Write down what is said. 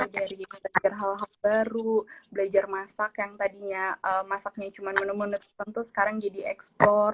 dari belajar hal hal baru belajar masak yang tadinya masaknya cuma menemun menemun tentu sekarang jadi eksplor